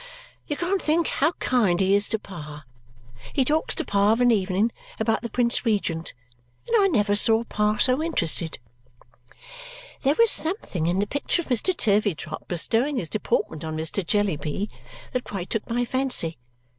You can't think how kind he is to Pa. He talks to Pa of an evening about the Prince Regent, and I never saw Pa so interested." There was something in the picture of Mr. Turveydrop bestowing his deportment on Mr. Jellyby that quite took my fancy.